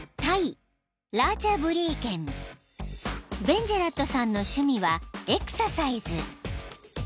［ベンジャラットさんの趣味はエクササイズ］